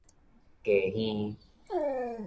扴耳